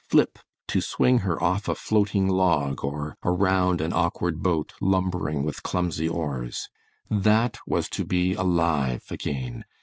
flip to swing her off a floating log or around an awkward boat lumbering with clumsy oars. That was to be alive again.